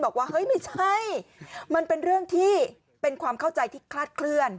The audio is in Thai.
บอกว่าเฮ้ยไม่ใช่มันเป็นเรื่องที่เป็นความเข้าใจที่คลาดเคลื่อน